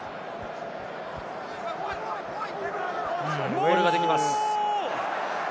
モールができます。